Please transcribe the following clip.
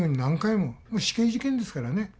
もう死刑事件ですからね。